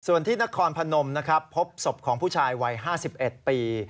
ส่วนที่นครพนมนะครับพบศพของผู้ชายวัย๕๑ปี